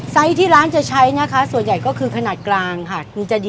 ที่ร้านจะใช้นะคะส่วนใหญ่ก็คือขนาดกลางค่ะ